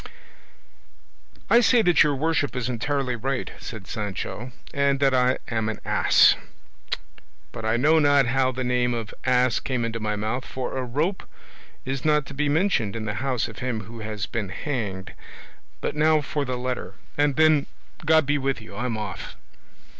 "I say that your worship is entirely right," said Sancho, "and that I am an ass. But I know not how the name of ass came into my mouth, for a rope is not to be mentioned in the house of him who has been hanged; but now for the letter, and then, God be with you, I am off."